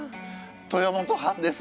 豊本藩です。